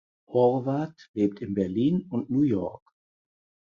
Horvat lebt in Berlin und New York.